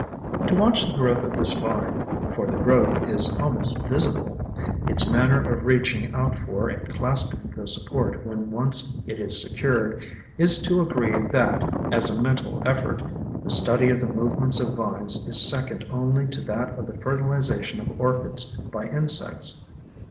To watch the growth of this vine (for the growth is almost visible), its manner of reach ing out for and clasping the support when once it is secured, is to agree that, as a mental effort, the study of the movements of vines is second only to that of the fertilization of Orchids by insects.